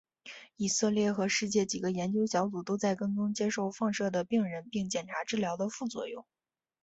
以色列和世界几个研究小组都在跟踪接受放射的病人并检查治疗的副作用。